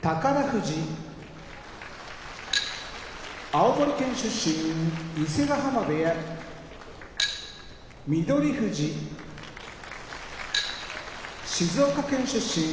富士青森県出身伊勢ヶ濱部屋翠富士静岡県出身